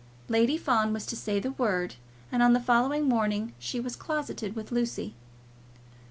Lady Fawn was to say the word, and on the following morning she was closeted with Lucy.